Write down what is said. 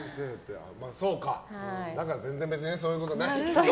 だから全然別にそういうことはないと。